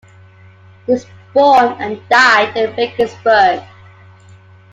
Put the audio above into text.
He was born, and died, in Regensburg.